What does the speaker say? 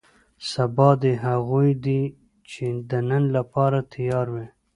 سبا دې هغو دی چې د نن لپاره تیار وي.